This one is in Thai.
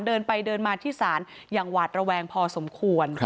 เดินไปเดินมาที่ศาลอย่างหวาดระแวงพอสมควร